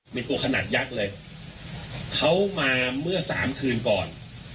เป็นตัวขนาดยักษ์เลยเขามาเมื่อสามคืนก่อน